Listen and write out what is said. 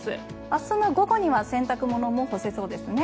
明日の午後には洗濯物も干せそうですね。